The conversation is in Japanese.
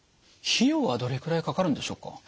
費用はどれくらいかかるんでしょうか？